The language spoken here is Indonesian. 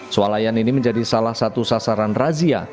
sualayan ini menjadi salah satu sasaran razia